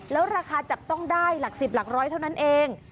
แล้วราคาจับต้องได้หลัก๑๐หลักร้อยเท่านั้นเอง